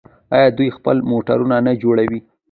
آیا دوی خپل موټرونه نه جوړوي؟